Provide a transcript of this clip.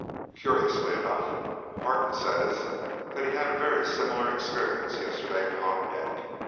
Curiously enough, Harton says that he had a very similar experience yesterday upon deck.